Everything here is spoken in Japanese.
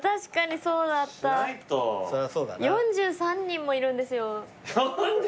４３人もいるんですよ。